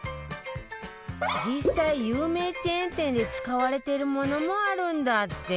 実際有名チェーン店で使われてるものもあるんだって